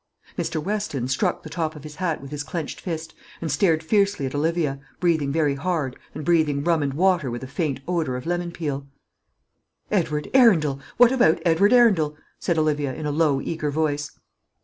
Mr. Weston struck the top of his hat with his clenched fist, and stared fiercely at Olivia, breathing very hard, and breathing rum and water with a faint odour of lemon peel. "Edward Arundel! what about Edward Arundel?" said Olivia, in a low eager voice.